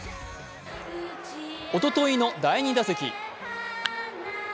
おとといの第２打席。